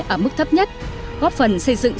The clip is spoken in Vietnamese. ở mức thấp nhất góp phần xây dựng